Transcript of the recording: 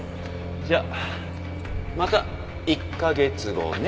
じゃあまた１カ月後ね。